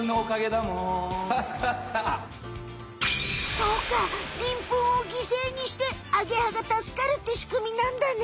そうかりんぷんをぎせいにしてアゲハがたすかるってしくみなんだね！